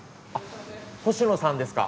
星野さんですか？